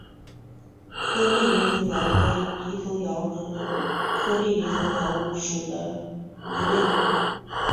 颗粒犁头鳐为犁头鳐科颗粒犁头鳐属的鱼类。